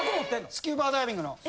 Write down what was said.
スキューバダイビングの。